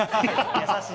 優しい。